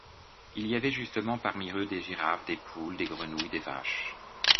Il y avait justement parmi eux des girafes, des poules, des grenouilles, des vaches.